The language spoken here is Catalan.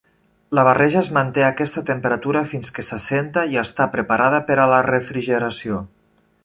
La barreja es manté a aquesta temperatura fins que s'assenta i està preparada per a la refrigeració.